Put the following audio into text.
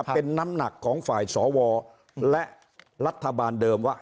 เป็นน้ำหนักของฝ่ายสวและรัฐบาลเดิมว่า